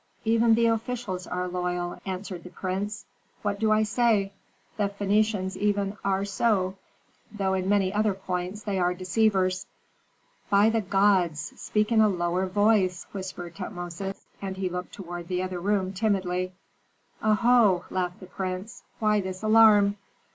"Even the officials are loyal," answered the prince. "What do I say? The Phœnicians even are so, though in many other points they are deceivers." "By the gods! speak in a lower voice," whispered Tutmosis; and he looked toward the other room timidly. "Oho!" laughed the prince, "why this alarm?